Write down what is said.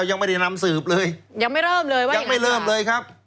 ยังไม่เริ่มเลยครับ